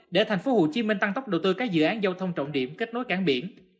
để tp hcm tăng tốc đầu tư các dự án giao thông trọng điểm kết nối cảng biển